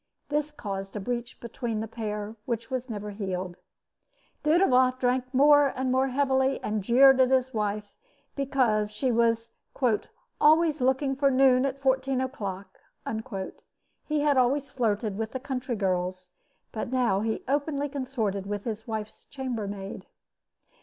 This caused a breach between the pair which was never healed. Dudevant drank more and more heavily, and jeered at his wife because she was "always looking for noon at fourteen o'clock." He had always flirted with the country girls; but now he openly consorted with his wife's chambermaid.